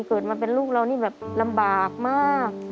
เกิดมาเป็นลูกเรานี่แบบลำบากมาก